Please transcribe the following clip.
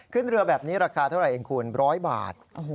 ขึ้นเรือแบบนี้ราคาเท่าไหร่เองคุณ๑๐๐บาท